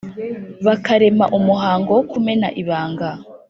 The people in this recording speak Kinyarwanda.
Bakarema umuhango wo kumena ibanga